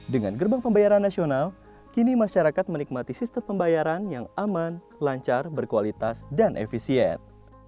dengan gerbang pembayaran nasional kini masyarakat menikmati sistem pembayaran yang aman lancar berkualitas dan efisien